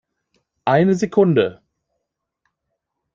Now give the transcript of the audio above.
Eine Sekunde!